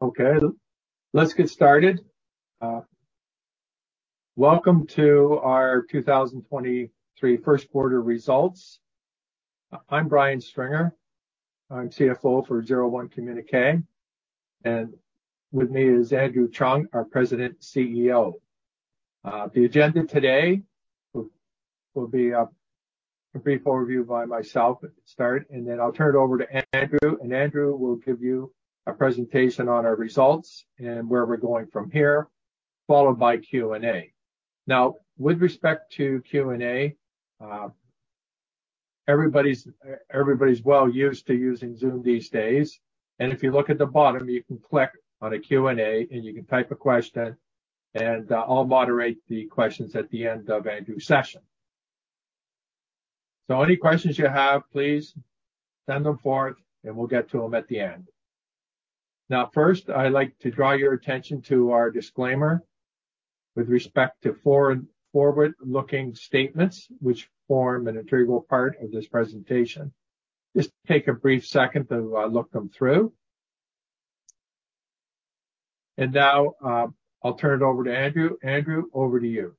Okay, let's get started. Welcome to our 2023 first quarter results. I'm Brian Stringer. I'm CFO for 01 Communique. With me is Andrew Cheung, our President & CEO. The agenda today will be a brief overview by myself to start, I'll turn it over to Andrew will give you a presentation on our results and where we're going from here, followed by Q&A. With respect to Q&A, everybody's well used to using Zoom these days, if you look at the bottom, you can click on a Q&A, you can type a question, I'll moderate the questions at the end of Andrew's session. Any questions you have, please send them forth, we'll get to them at the end. First, I'd like to draw your attention to our disclaimer with respect to forward-looking statements, which form an integral part of this presentation. Just take a brief second to look them through. Now, I'll turn it over to Andrew. Andrew, over to you.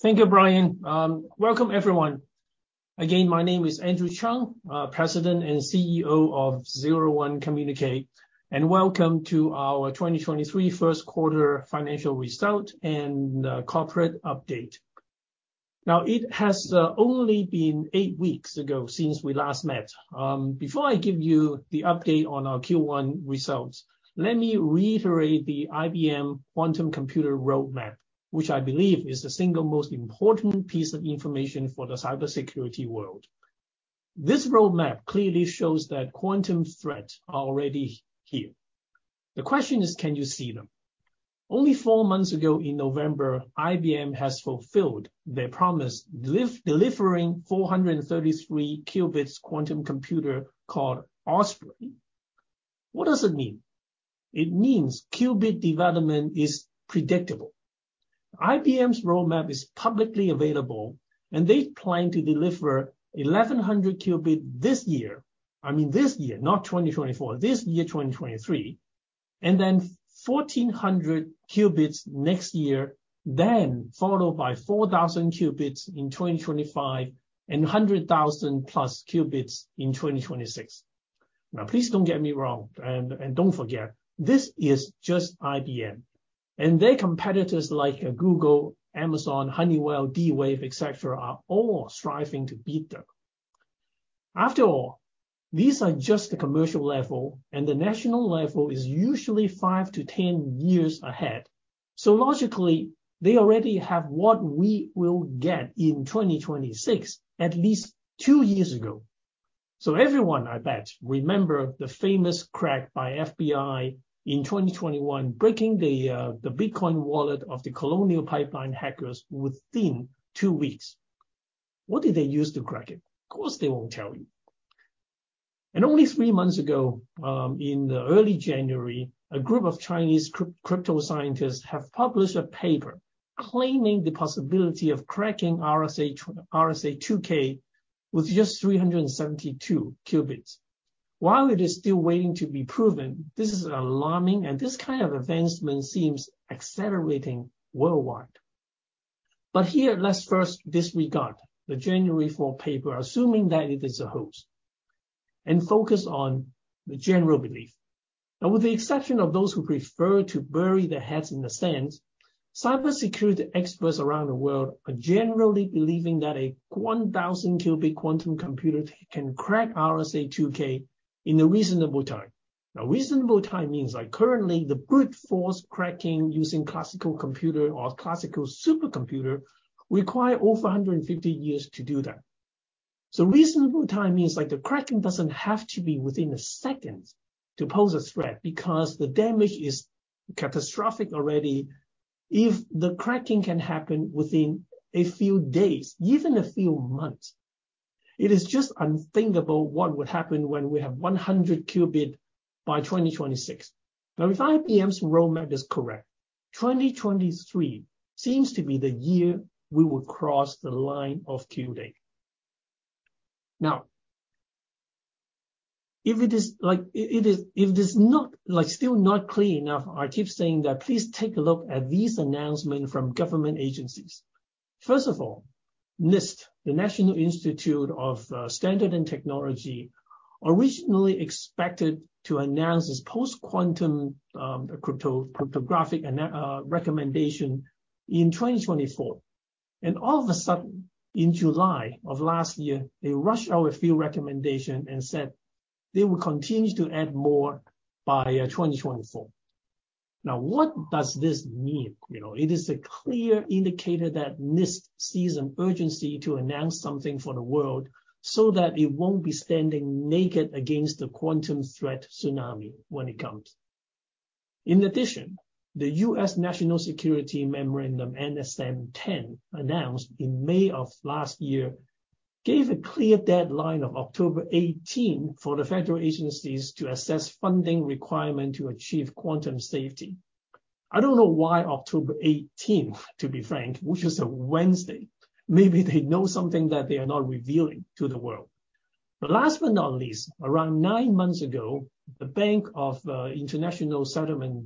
Thank you, Brian. Welcome everyone. Again, my name is Andrew Cheung, President and CEO of 01 Communique, and welcome to our 2023 Q1 financial result and corporate update. It has only been 8 weeks ago since we last met. Before I give you the update on our Q1 results, let me reiterate the IBM Quantum Roadmap, which I believe is the single most important piece of information for the cybersecurity world. This roadmap clearly shows that quantum threats are already here. The question is, can you see them? Only 4 months ago, in November, IBM has fulfilled their promise, delivering 433 qubits quantum computer called Osprey. What does it mean? It means qubit development is predictable. IBM's roadmap is publicly available, and they plan to deliver 1,100 qubit this year. I mean, this year, not 2024, this year, 2023. 1,400 qubits next year, then followed by 4,000 qubits in 2025 and 100,000+ qubits in 2026. Please don't get me wrong, and don't forget, this is just IBM, and their competitors like Google, Amazon, Honeywell, D-Wave, et cetera, are all striving to beat them. After all, these are just the commercial level, and the national level is usually 5 to 10 years ahead. Logically, they already have what we will get in 2026 at least 2 years ago. Everyone, I bet, remember the famous crack by FBI in 2021, breaking the Bitcoin wallet of the Colonial Pipeline hackers within 2 weeks. What did they use to crack it? Of course, they won't tell you. Only 3 months ago, in early January, a group of Chinese cryptoscientists have published a paper claiming the possibility of cracking RSA-2048 with just 372 qubits. While it is still waiting to be proven, this is alarming, and this kind of advancement seems accelerating worldwide. Here, let's first disregard the January 4 paper, assuming that it is a hoax, and focus on the general belief. With the exception of those who prefer to bury their heads in the sand, cybersecurity experts around the world are generally believing that a 1,000 qubit quantum computer can crack RSA-2048 in a reasonable time. Reasonable time means, like currently, the brute force cracking using classical computer or classical supercomputer require over 150 years to do that. Reasonable time means like the cracking doesn't have to be within a second to pose a threat because the damage is catastrophic already if the cracking can happen within a few days, even a few months. It is just unthinkable what would happen when we have 100 qubit by 2026. If IBM's roadmap is correct, 2023 seems to be the year we will cross the line of Q-Day. If it is, like, if it is, if it is not, like, still not clear enough, I keep saying that please take a look at these announcements from government agencies. First of all, NIST, the National Institute of Standards and Technology, originally expected to announce this post-quantum crypto, cryptographic recommendation in 2024. All of a sudden, in July of last year, they rushed out a few recommendation and said they will continue to add more by 2024. What does this mean? You know, it is a clear indicator that NIST sees an urgency to announce something for the world so that it won't be standing naked against the quantum threat tsunami when it comes. The U.S. National Security Memorandum, NSM-10, announced in May of last year, gave a clear deadline of October 18th for the federal agencies to assess funding requirement to achieve quantum safety. I don't know why October 18th, to be frank, which is a Wednesday. Maybe they know something that they are not revealing to the world. Last but not least, around nine months ago, the Bank for International Settlements,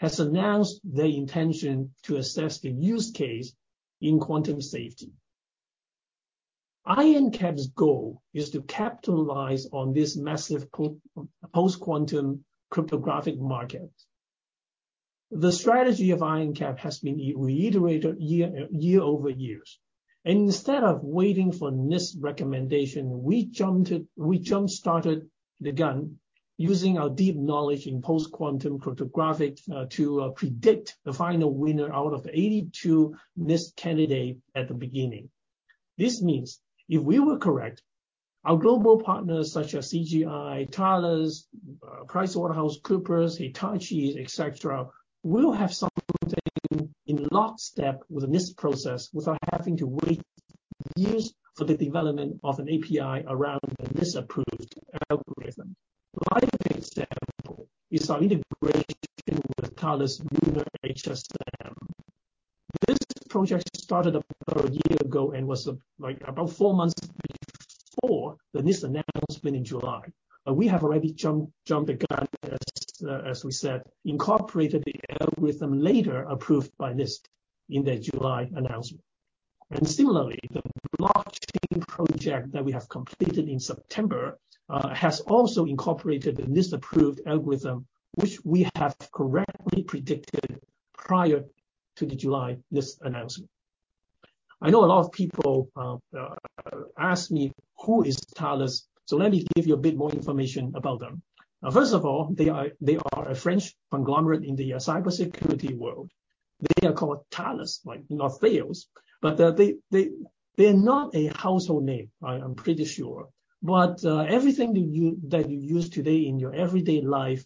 BIS, has announced their intention to assess the use case in quantum safety. IronCAP's goal is to capitalize on this massive post-quantum cryptographic market. The strategy of IronCAP has been reiterated year over years. Instead of waiting for NIST recommendation, we jump-started the gun using our deep knowledge in post-quantum cryptographic to predict the final winner out of 82 NIST candidate at the beginning. This means if we were correct, our global partners such as CGI, Thales, PricewaterhouseCoopers, Hitachi, et cetera, will have something in lockstep with the NIST process without having to wait years for the development of an API around the NIST-approved algorithm. Live example is our integration with Thales Luna HSM. This project started about a year ago and was, like, about 4 months before the NIST announcement in July. We have already jumped the gun, as we said, incorporated the algorithm later approved by NIST in their July announcement. Similarly, the blockchain project that we have completed in September, has also incorporated the NIST-approved algorithm, which we have correctly predicted prior to the July NIST announcement. I know a lot of people ask me, "Who is Thales?" Let me give you a bit more information about them. First of all, they are a French conglomerate in the cybersecurity world. They are called Thales, like in Athens. They're not a household name, I'm pretty sure. Everything that you, that you use today in your everyday life,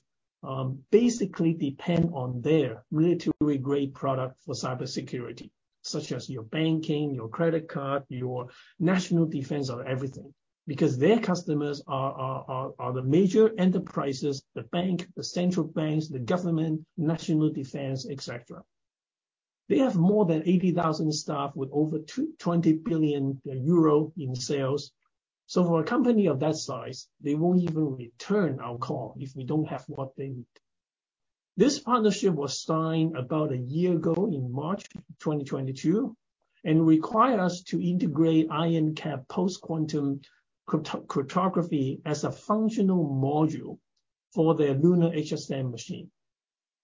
basically depend on their military-grade product for cybersecurity, such as your banking, your credit card, your national defense or everything, because their customers are the major enterprises, the bank, the central banks, the government, national defense, et cetera. They have more than 80,000 staff with over 20 billion euro in sales. For a company of that size, they won't even return our call if we don't have what they need. This partnership was signed about a year ago in March 2022 and require us to integrate IronCAP post-quantum cryptography as a functional module for their Luna HSM.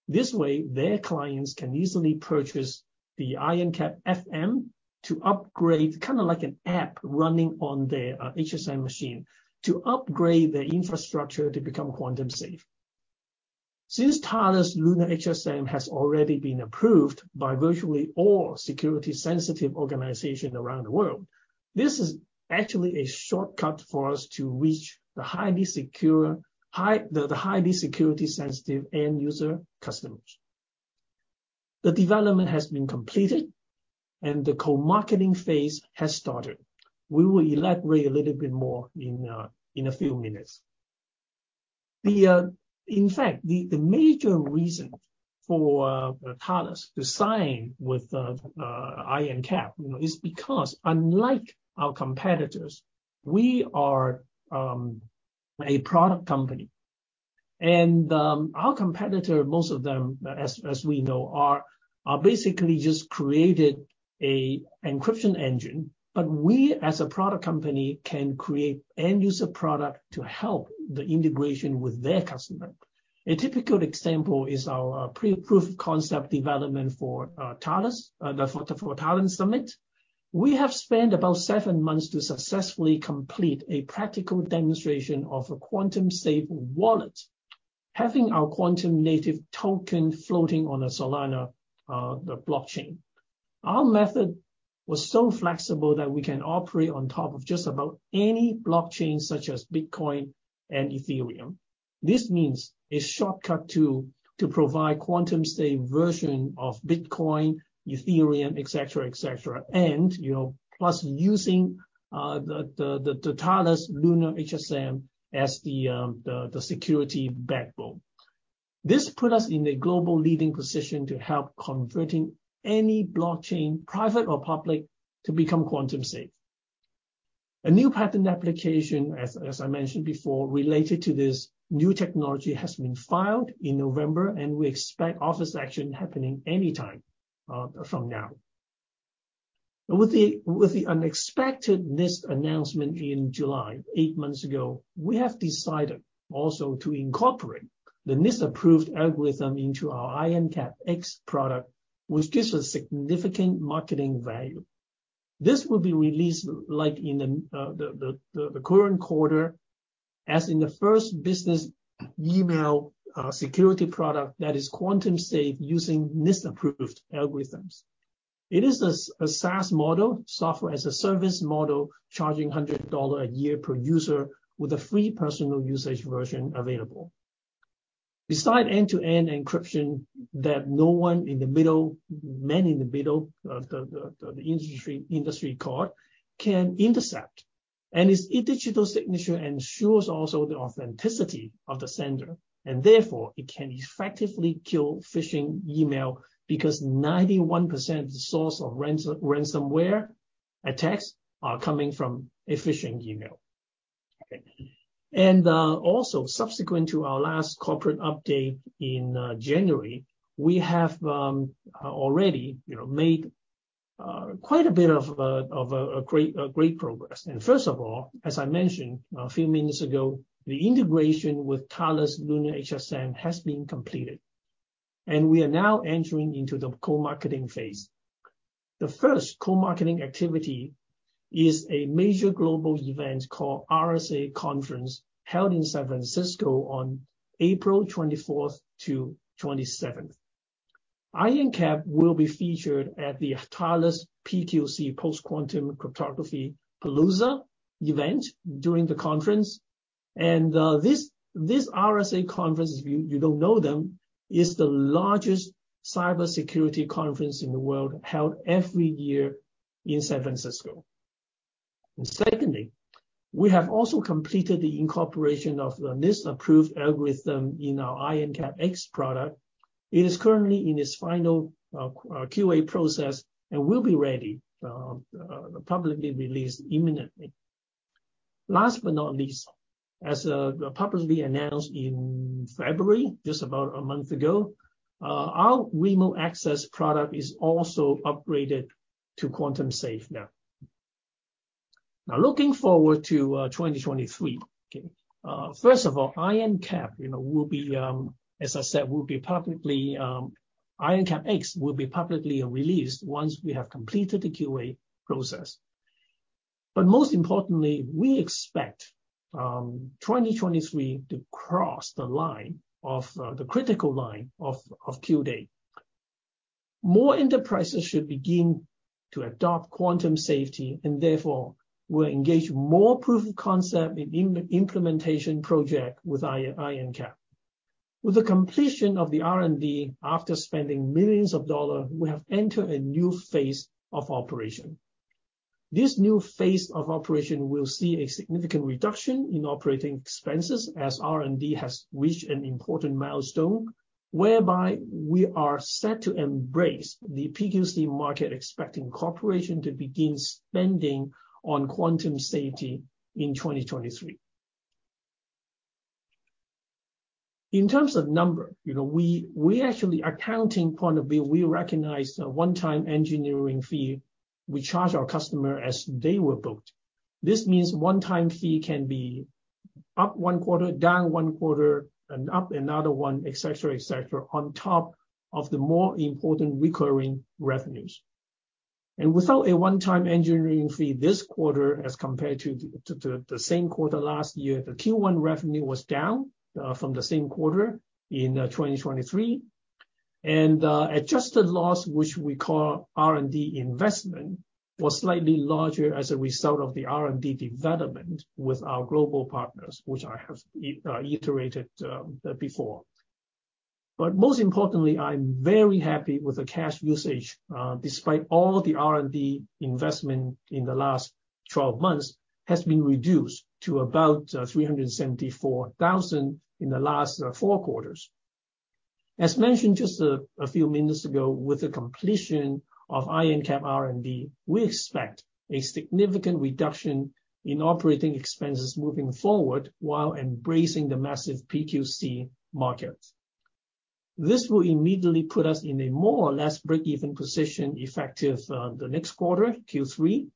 This way, their clients can easily purchase the IronCAP FM to upgrade, kind of like an app running on their HSM, to upgrade their infrastructure to become quantum-safe. Since Thales Luna HSM has already been approved by virtually all security-sensitive organizations around the world, this is actually a shortcut for us to reach the highly secure, the highly security sensitive end user customers. The development has been completed and the co-marketing phase has started. We will elaborate a little bit more in a few minutes. In fact, the major reason for Thales to sign with IronCAP, you know, is because unlike our competitors, we are a product company. Our competitor, most of them, as we know, are basically just created a encryption engine. We, as a product company, can create end user product to help the integration with their customer. A typical example is our pre-proof concept development for Thales, for Thales Summit. We have spent about seven months to successfully complete a practical demonstration of a quantum-safe wallet, having our quantum native token floating on a Solana blockchain. Our method was so flexible that we can operate on top of just about any blockchain, such as Bitcoin and Ethereum. This means a shortcut to provide quantum-safe version of Bitcoin, Ethereum, et cetera, et cetera. You know, plus using the Thales Luna HSM as the security backbone. This put us in a global leading position to help converting any blockchain, private or public, to become quantum-safe. A new patent application, as I mentioned before, related to this new technology has been filed in November, and we expect office action happening any time from now. With the unexpected NIST announcement in July, eight months ago, we have decided also to incorporate the NIST-approved algorithm into our IronCAP X product, which gives a significant marketing value. This will be released, like, in the current quarter as in the first business email security product that is quantum-safe using NIST-approved algorithms. It is a SaaS model, Software-as-a-Service model, charging $100 a year per user with a free personal usage version available. Beside end-to-end encryption that no one in the middle, man-in-the-middle attack can intercept, and its e-digital signature ensures also the authenticity of the sender, and therefore it can effectively kill phishing email because 91% source of ransomware attacks are coming from a phishing email. Okay. Also subsequent to our last corporate update in January, we have already, you know, made quite a bit of a great progress. First of all, as I mentioned a few minutes ago, the integration with Thales Luna HSM has been completed, and we are now entering into the co-marketing phase. The first co-marketing activity is a major global event called RSA Conference, held in San Francisco on April 24th to 27th. IronCAP will be featured at the Thales PQC Post Quantum Cryptography Palooza event during the conference. This RSA Conference, if you don't know them, is the largest cybersecurity conference in the world, held every year in San Francisco. Secondly, we have also completed the incorporation of the NIST-approved algorithm in our IronCAP X product. It is currently in its final QA process and will be ready publicly released imminently. Last but not least, as publicly announced in February, just about a month ago, our remote access product is also upgraded to quantum safe now. Looking forward to 2023. First of all, IronCAP, you know, will be, as I said, will be publicly, IronCAP X will be publicly released once we have completed the QA process. Most importantly, we expect 2023 to cross the line of the critical line of Q-Day. More enterprises should begin to adopt quantum safety, therefore will engage more proof of concept in implementation project with IronCAP. With the completion of the R&D, after spending millions of dollars, we have entered a new phase of operation. This new phase of operation will see a significant reduction in OpEx as R&D has reached an important milestone whereby we are set to embrace the PQC market expecting corporation to begin spending on quantum safety in 2023. In terms of number, you know, we actually accounting point of view, we recognize a one-time engineering fee we charge our customer as they were booked. This means one-time fee can be up one quarter, down one quarter, and up another one, et cetera, et cetera, on top of the more important recurring revenues. Without a one-time engineering fee this quarter as compared to the same quarter last year, the Q1 revenue was down from the same quarter in 2023. Adjusted loss, which we call R&D investment, was slightly larger as a result of the R&D development with our global partners, which I have iterated before. Most importantly, I'm very happy with the cash usage, despite all the R&D investment in the last 12 months, has been reduced to about $374,000 in the last 4 quarters. As mentioned just a few minutes ago, with the completion of IronCAP R&D, we expect a significant reduction in OpEx moving forward, while embracing the massive PQC market. This will immediately put us in a more or less break-even position effective the next quarter, Q3.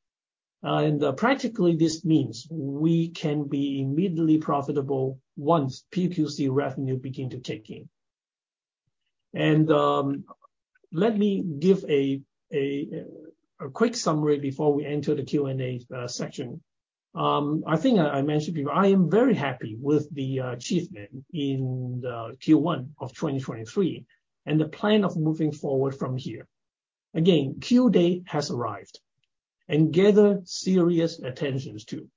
Practically, this means we can be immediately profitable once PQC revenue begin to kick in. Let me give a quick summary before we enter the Q&A section. I think I mentioned before, I am very happy with the achievement in the Q1 of 2023 and the plan of moving forward from here. Q-Day has arrived and gather serious attentions too.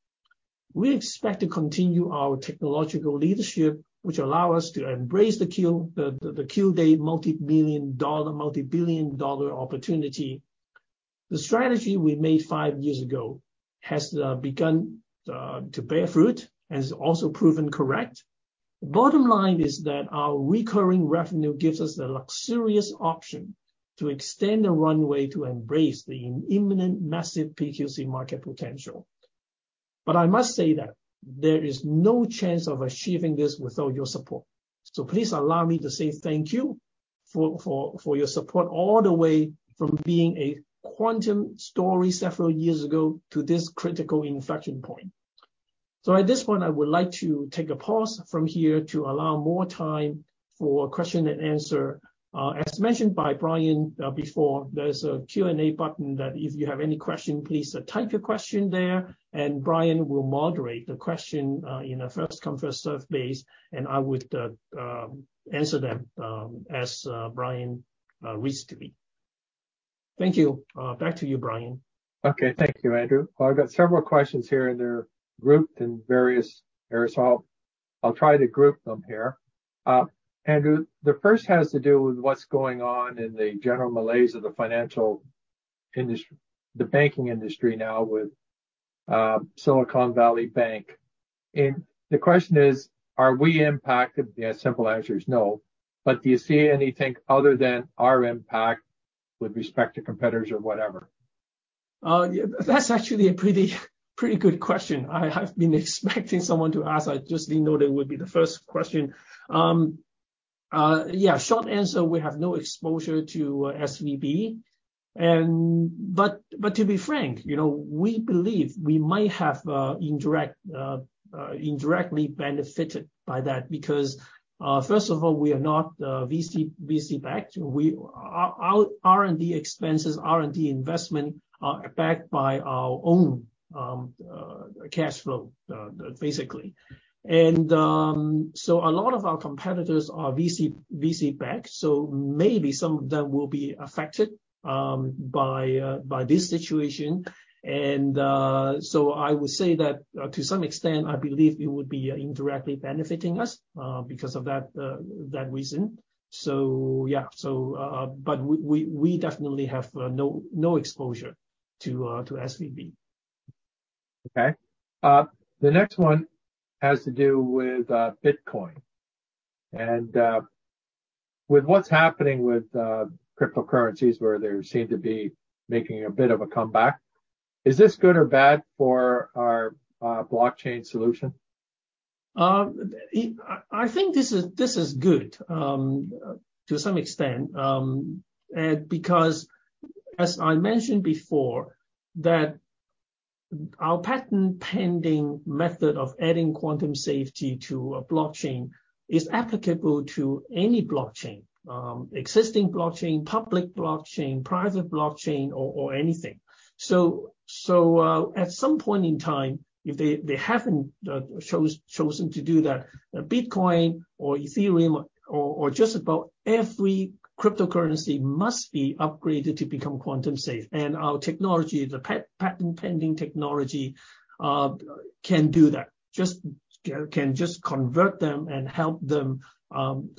We expect to continue our technological leadership, which allow us to embrace the Q-Day multi-million dollar, multi-billion dollar opportunity. The strategy we made five years ago has begun to bear fruit, has also proven correct. The bottom line is that our recurring revenue gives us the luxurious option to extend the runway to embrace the imminent massive PQC market potential. I must say that there is no chance of achieving this without your support. Please allow me to say thank you for your support all the way from being a quantum story several years ago to this critical inflection point. At this point, I would like to take a pause from here to allow more time for question and answer. As mentioned by Brian, before, there's a Q&A button that if you have any question, please type your question there, and Brian will moderate the question, in a first-come, first-served basis, and I would answer them as Brian reads to me. Thank you. Back to you, Brian. Okay. Thank you, Andrew. I've got several questions here, and they're grouped in various areas, so I'll try to group them here. Andrew, the first has to do with what's going on in the general malaise of the financial industry, the banking industry now with, Silicon Valley Bank. The question is, are we impacted? The simple answer is no. Do you see anything other than our impact? With respect to competitors or whatever. Yeah, that's actually a pretty good question I have been expecting someone to ask. I just didn't know that would be the first question. Yeah, short answer, we have no exposure to SVB. To be frank, you know, we believe we might have indirectly benefited by that because, first of all, we are not VC backed. Our R&D expenses, R&D investment are backed by our own cash flow, basically. A lot of our competitors are VC backed, so maybe some of them will be affected by this situation. I would say that to some extent, I believe it would be indirectly benefiting us because of that reason. Yeah. We definitely have no exposure to SVB. Okay. The next one has to do with Bitcoin and with what's happening with cryptocurrencies, where they seem to be making a bit of a comeback. Is this good or bad for our blockchain solution? I think this is good to some extent because as I mentioned before, that our patent pending method of adding quantum safety to a blockchain is applicable to any blockchain, existing blockchain, public blockchain, private blockchain or anything. At some point in time, if they haven't chosen to do that, Bitcoin or Ethereum or just about every cryptocurrency must be upgraded to become quantum safe. Our technology, the patent pending technology, can do that. Can just convert them and help them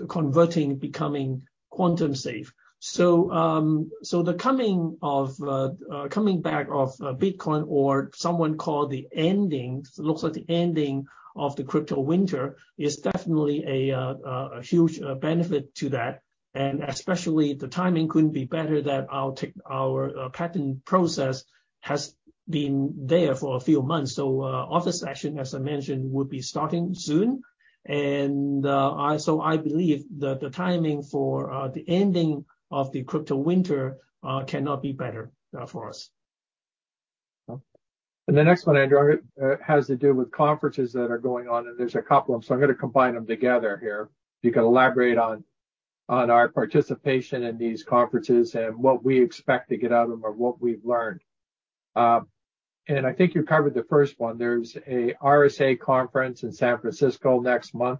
converting, becoming quantum safe. The coming of coming back of Bitcoin or someone call the ending, looks like the ending of the crypto winter is definitely a huge benefit to that. Especially the timing couldn't be better that our patent process has been there for a few months. Office action as I mentioned, will be starting soon. I believe the timing for the ending of the crypto winter cannot be better for us. The next one, Andrew, has to do with conferences that are going on, and there's a couple of them, so I'm gonna combine them together here. You can elaborate on our participation in these conferences and what we expect to get out of them or what we've learned. I think you covered the first one. There's a RSA Conference in San Francisco next month,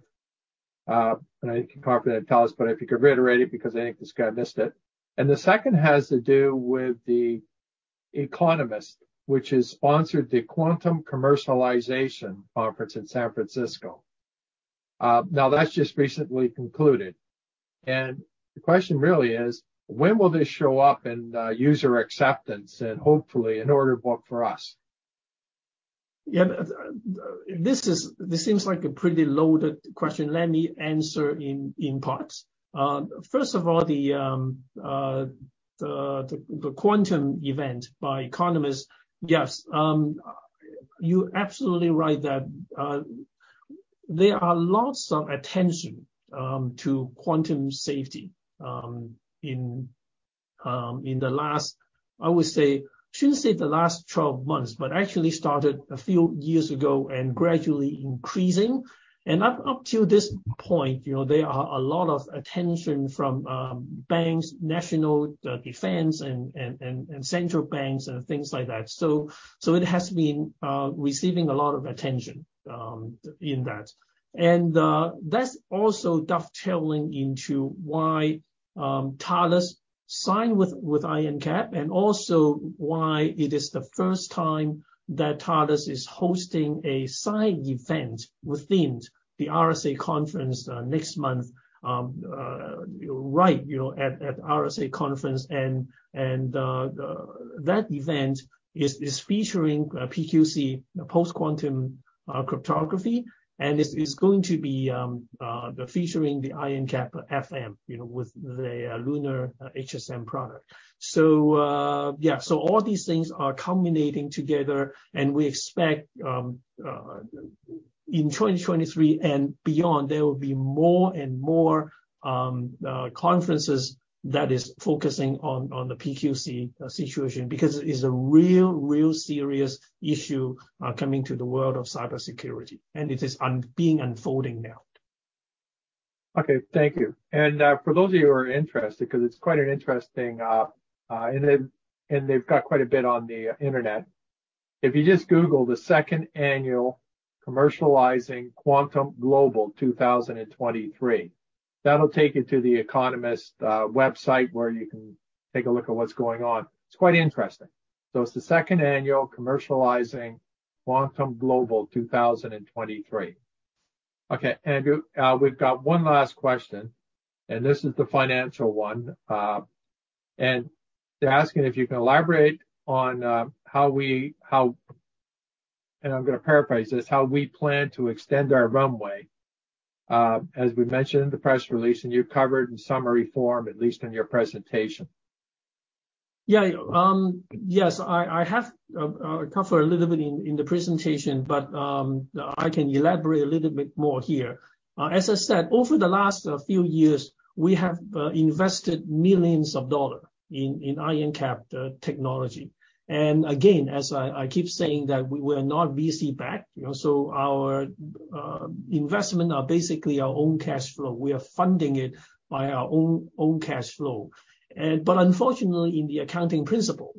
and I think you confidently tell us, but if you could reiterate it because I think this guy missed it. The second has to do with The Economist, which has sponsored the Quantum Commercialization Conference in San Francisco. Now that's just recently concluded, and the question really is, when will this show up in user acceptance and hopefully an order book for us? Yeah. This seems like a pretty loaded question. Let me answer in parts. First of all, the Commercializing Quantum event by Economist Impact. Yes, you're absolutely right that there are lots of attention to quantum safety in the last, I would say, shouldn't say the last 12 months, but actually started a few years ago and gradually increasing. Up till this point, you know, there are a lot of attention from banks, national defense and central banks and things like that. It has been receiving a lot of attention in that. That's also dovetailing into why Thales signed with IronCAP and also why it is the first time that Thales is hosting a side event within the RSA Conference next month right at RSA Conference. That event is featuring PQC, Post-quantum cryptography, and it's going to be featuring the IronCAP FM with the Luna HSM product. All these things are culminating together, and we expect in 2023 and beyond, there will be more and more conferences that is focusing on the PQC situation because it is a real serious issue coming to the world of cybersecurity, and it is being unfolding now. Thank you. For those of you who are interested, because it's quite an interesting. They've got quite a bit on the internet. If you just google the second annual Commercializing Quantum Global 2023, that'll take you to Economist Impact website, where you can take a look at what's going on. It's quite interesting. It's the second annual Commercializing Quantum Global 2023. Andrew, we've got one last question, and this is the financial one. They're asking if you can elaborate on how we plan to extend our runway as we mentioned in the press release, and you covered in summary form, at least in your presentation. Yeah. Yes, I have covered a little bit in the presentation, but I can elaborate a little bit more here. As I said, over the last few years, we have invested millions of dollar in IronCAP technology. Again, as I keep saying that we are not VC-backed, you know, so our investment are basically our own cash flow. We are funding it by our own cash flow. Unfortunately, in the accounting principle,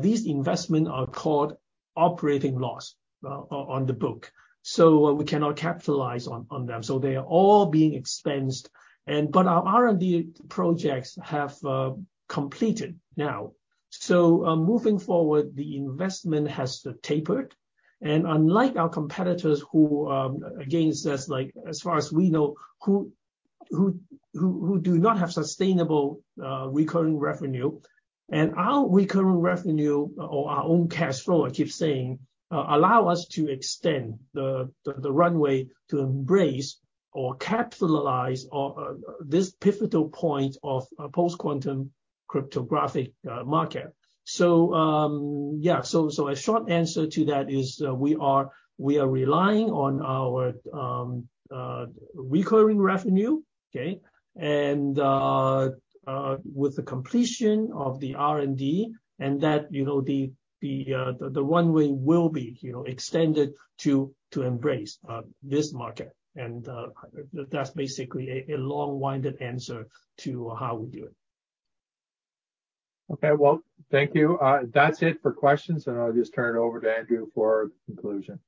these investment are called operating loss on the book, so we cannot capitalize on them. They are all being expensed. Our R&D projects have completed now. Moving forward, the investment has tapered. Unlike our competitors who, again, says like as far as we know, who do not have sustainable recurring revenue. Our recurring revenue or our own cash flow, I keep saying, allow us to extend the runway to embrace or capitalize on this pivotal point of post-quantum cryptographic market. Yeah. A short answer to that is we are relying on our recurring revenue, okay? With the completion of the R&D, and that, you know, the runway will be, you know, extended to embrace this market. That's basically a long-winded answer to how we do it. Okay. Well, thank you. That's it for questions, and I'll just turn it over to Andrew for conclusion.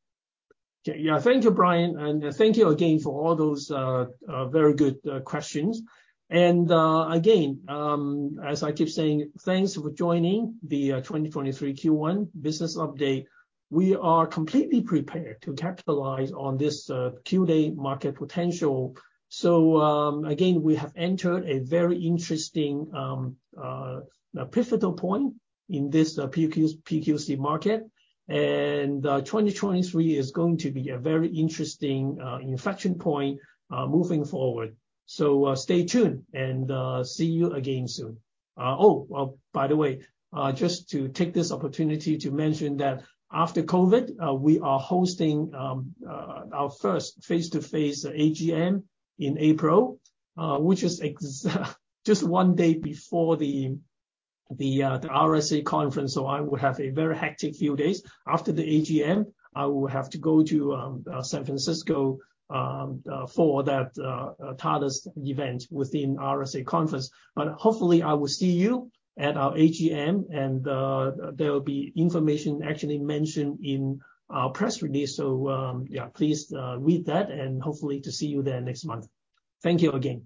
Okay. Yeah. Thank you, Brian. Thank you again for all those very good questions. Again, as I keep saying, thanks for joining the 2023 Q1 business update. We are completely prepared to capitalize on this Q-Day market potential. Again, we have entered a very interesting pivotal point in this PQC market. 2023 is going to be a very interesting inflection point moving forward. Stay tuned, and see you again soon. Oh, by the way, just to take this opportunity to mention that after COVID, we are hosting our first face-to-face AGM in April, which is just 1 day before the RSA Conference. I will have a very hectic few days. After the AGM, I will have to go to San Francisco for that Thales event within RSA Conference. Hopefully I will see you at our AGM, and there will be information actually mentioned in our press release. Yeah, please, read that, and hopefully to see you there next month. Thank you again.